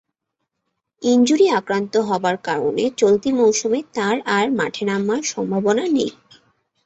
Injury আক্রান্ত হবার কারণে চলতি মৌসুমে তার আর মাঠে নামার সম্ভাবনা নেই।